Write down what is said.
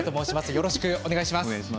よろしくお願いします。